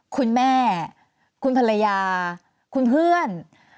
คุณแม่คุณภรรยาคุณเพื่อน